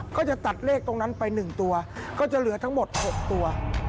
ก็จะตัดเลขตรงนั้นไป๑ตัวก็จะเหลือทั้งหมด๖ตัว